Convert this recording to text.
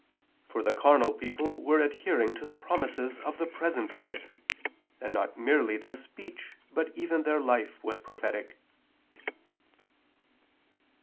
For the carnal people were adhering to the promises of the present life; and not merely their speech but even their life was prophetic."